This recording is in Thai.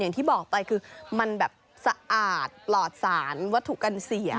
อย่างที่บอกไปคือมันแบบสะอาดปลอดสารวัตถุกันเสีย